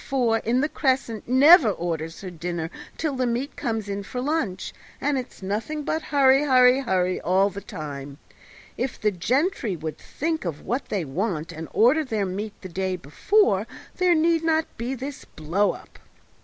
4, in the Crescent, never orders her dinner till the meat comes in for lunch, and it's nothing but hurry, hurry, all the time. If the gentry would think of what they want, and order their meat the day before, there need not be this blow up!"